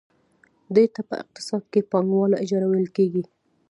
دې ته په اقتصاد کې پانګواله اجاره ویل کېږي